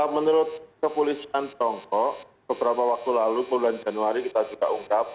menurut kepolisian tiongkok beberapa waktu lalu bulan januari kita juga ungkap